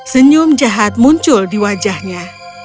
senyum jahat muncul di wajahnya